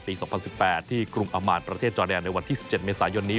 ๒๐๑๘ที่กรุงอามานประเทศจอแดนในวันที่๑๗เมษายนนี้